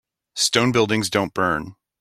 Stone buildings don't burn.